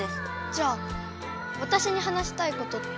じゃあわたしに話したいことって。